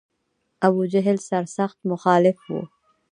ابوجهل سر سخت مخالف و.